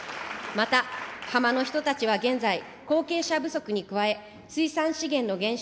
また浜の人たちは現在、後継者不足に加え、水産資源の減少、